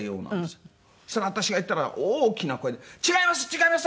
そしたら私が行ったら大きな声で「違います違います！